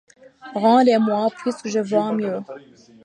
Rends-les-moi, puisque je vas mieux.